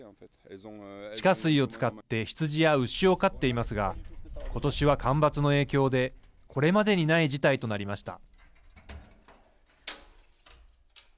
地下水を使って羊や牛を飼っていますが今年は、干ばつの影響でこれまでにない事態となりました。